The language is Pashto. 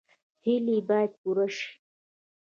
هیلې باید پوره شي